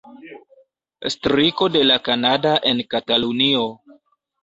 Striko de La Kanada en Katalunio.